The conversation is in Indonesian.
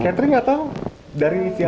katering atau dari siapa